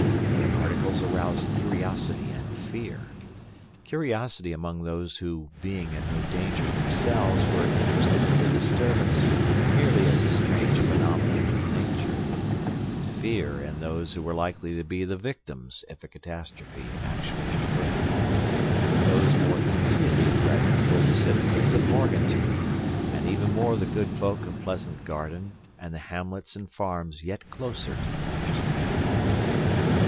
Their articles aroused curiosity and fear—curiosity among those who being in no danger themselves were interested in the disturbance merely as a strange phenomenon of nature, fear in those who were likely to be the victims if a catastrophe actually occurred. Those more immediately threatened were the citizens of Morganton, and even more the good folk of Pleasant Garden and the hamlets and farms yet closer to the mountain.